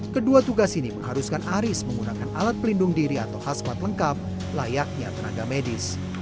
kedua tugas ini mengharuskan aris menggunakan alat pelindung diri atau khasmat lengkap layaknya tenaga medis